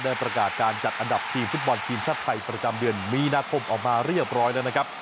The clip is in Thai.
ประกาศการจัดอันดับทีมฟุตบอลทีมชาติไทยประจำเดือนมีนาคมออกมาเรียบร้อยแล้วนะครับ